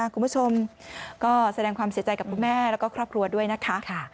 คุณผู้ชมก็แสดงความเสียใจกับคุณแม่แล้วก็ครอบครัวด้วยนะคะ